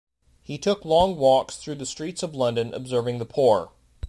He took long walks through the streets of London observing the poor.